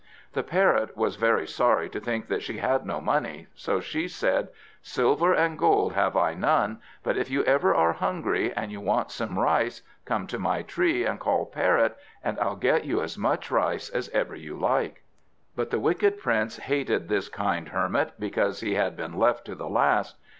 The Parrot was very sorry to think that she had no money, so she said: "Silver and gold have I none; but if you ever are hungry, and want some rice, come to my tree and call 'Parrot,' and I'll get you as much rice as ever you like." But the Wicked Prince hated this kind Hermit, because he had been left to the last.